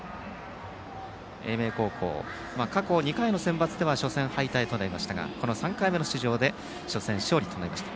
英明高校は過去２回のセンバツでは初戦敗退となりましたが３回目の出場で初戦勝利となりました。